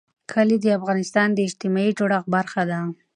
کلي د افغانستان د اجتماعي جوړښت برخه ده.